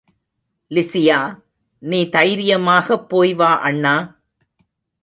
லிசியா, நீ தைரியமாக போய் வா அண்ணா.